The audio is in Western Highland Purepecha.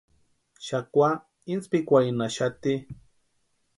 Xakwa inspikwarinnhaxati.